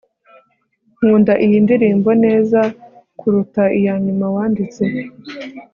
nkunda iyi ndirimbo neza kuruta iyanyuma wanditse